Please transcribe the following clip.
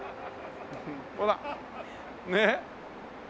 ほらねっ。